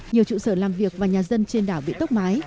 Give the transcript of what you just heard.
nhiều trụ sở làm việc và nhà dân trên đảo bị tốc mái